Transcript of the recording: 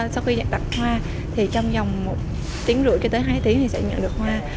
sau khi nhận đặt hoa thì trong dòng một tiếng rưỡi cho tới hai tiếng thì sẽ nhận được hoa